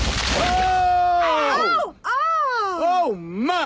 ああ。